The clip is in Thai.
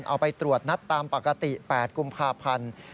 เอาไปตรวจนัดตามปกติ๘กุมภาพันธ์